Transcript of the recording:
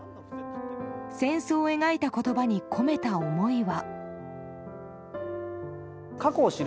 戦争を描いた言葉に込めた思いは。